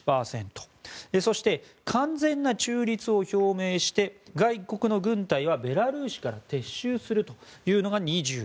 そして、完全な中立を表明して外国の軍隊はベラルーシから撤収するが２５％。